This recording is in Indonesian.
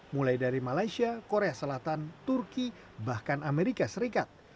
mulai dari malaysia korea selatan turki bahkan amerika serikat